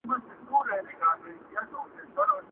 o د خپلو سره جنگ د ښيښې درز دئ٫